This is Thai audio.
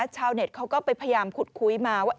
ชาวเน็ตเขาก็ไปพยายามขุดคุยมาว่า